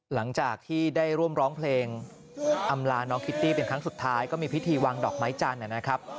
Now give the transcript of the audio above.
หลังจากที่ได้ร่วมร้องเพลงอำลาน้องคิตตี้เป็นครั้งสุดท้ายก็มีพิธีวางดอกไม้จันทร์นะครับ